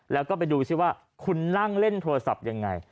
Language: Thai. แล้วก็ไปดูซิว่าคุณนั่งเล่นโทรศัพท์ยังไง